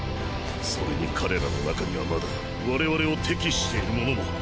それに彼らの中にはまだわれわれを敵視している者も。